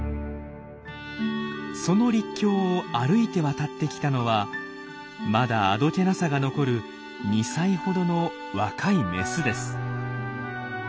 その陸橋を歩いて渡って来たのはまだあどけなさが残る２歳ほどの若いメスです。